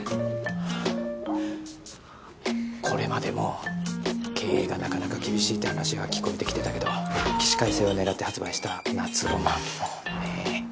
これまでも経営がなかなか厳しいって話が聞こえてきてたけど起死回生を狙って発売した夏浪漫もねえ。